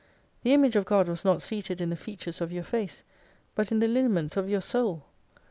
The Image of God was not seated in the features of your face, but in the lineaments of your Soul.